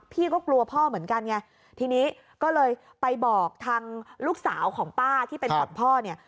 ก็กลัวพ่อเหมือนกันไงทีนี้ก็เลยไปบอกทางลูกสาวของป้าที่เป็นของพ่อเนี่ย